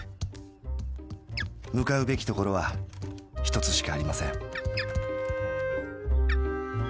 向かうべきところはひとつしかありません。